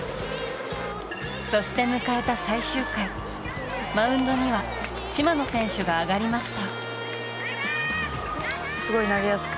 そして迎えた最終回マウンドには島野選手が上がりました。